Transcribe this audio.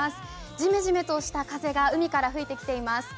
じめじめとした風が海から吹いてきています。